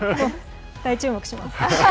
大注目します。